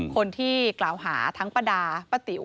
คนที่กล่าวหาทั้งป้าดาป้าติ๋ว